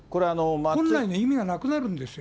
本来の意味がなくなるんですよ。